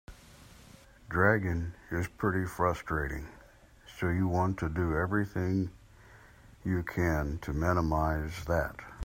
Dragon is pretty frustrating, so you want to do everything you can to minimize that.